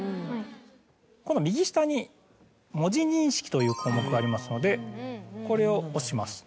この右下に文字認識という項目がありますのでこれを押します。